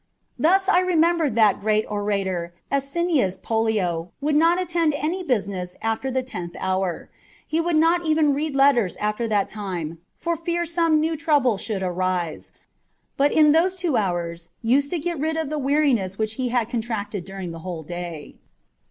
Thus, I remember that great orator Asinius Pollio would not attend to any business after the tenth hour : he would not even read letters after that time for fear some new 286 MINOR DIALOGUES. [bK. IX. trouble should arise, but in those two hours ^ used to get rid of the weariness which he had contracted during the whole day.